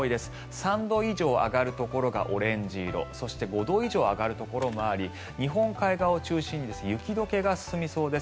３度以上上がるところがオレンジ色そして、５度以上上がるところもあり日本海側を中心に雪解けが進みそうです。